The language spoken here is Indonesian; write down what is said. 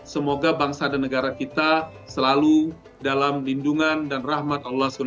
semoga bangsa dan negara kita selalu dalam lindungan dan rahmat allah swt